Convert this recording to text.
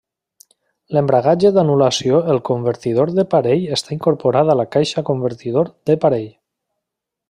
L'embragatge d'anul·lació del convertidor de parell està incorporat a la caixa del convertidor de parell.